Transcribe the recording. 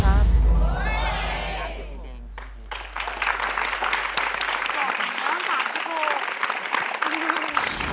ครับบริโรงศาลีริกธาตุ